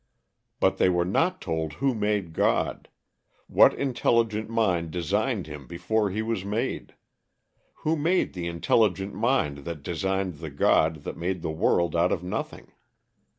But they were not told who made God; what intelligent mind designed him before he was made; who made the intelligent mind that designed the God that made the world out of nothing.